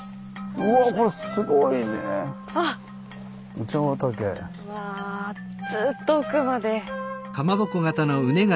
うわずっと奥まで。